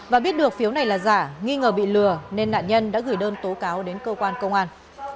và biết được phiếu này là giả nghi ngờ bị lừa nên nạn nhân đã gửi đơn tố cáo đến cơ quan công an